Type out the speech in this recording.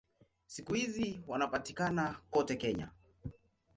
Siku hizi wanapatikana kote Kenya.